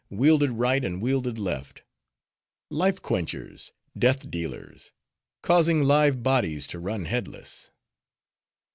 Wielded right, and wielded left; Life quenchers! Death dealers! Causing live bodies to run headless!